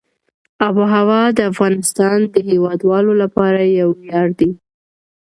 آب وهوا د افغانستان د هیوادوالو لپاره یو ویاړ دی.